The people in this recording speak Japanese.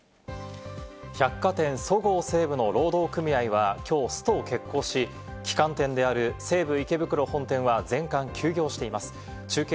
百貨店そごう・西武の労働組合はきょうストを決行し、旗艦店である西武池袋本店は全館休業しています。